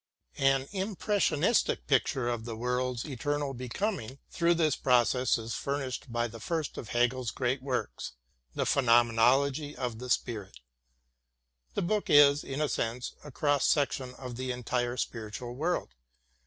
An im pressionistic picture of the world's eternal becoming through this process is furnished by the first of Hegel's great works, the Phenomenology of Spirit. The book is, in a sense, a cross section of the entire spiritual world.